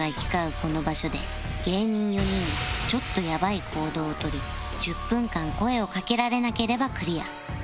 この場所で芸人４人がちょっとやばい行動を取り１０分間声をかけられなければクリア